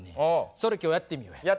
それ今日やってみようや。